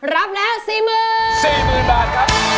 รับแล้ว๔๐๐๐๐บาท